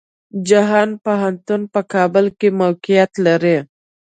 جهان پوهنتون په کابل کې موقيعت لري.